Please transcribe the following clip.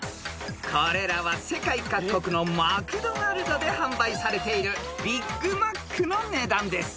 ［これらは世界各国のマクドナルドで販売されているビッグマックの値段です］